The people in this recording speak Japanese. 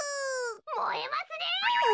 もえますねえ！